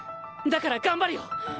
だから頑張るよ！